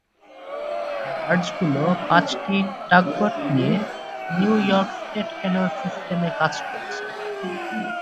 বার্জগুলো পাঁচটি টাগবোট নিয়ে New York state canal সিস্টেমে কাজ করছে।